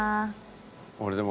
俺でも。